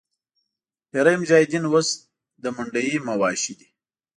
ډېری مجاهدین اوس د منډیي مواشي دي.